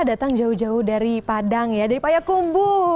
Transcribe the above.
datang jauh jauh dari padang ya dari payakumbu